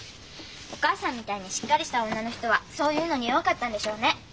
お母さんみたいにしっかりした女の人はそういうのに弱かったんでしょうね。